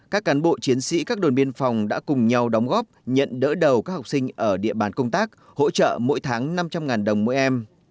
các cán bộ chiến sĩ các đồn biên phòng đã cùng nhau đóng góp nhận đỡ đầu các học sinh ở địa bàn công tác hỗ trợ mỗi tháng năm trăm linh đồng mỗi em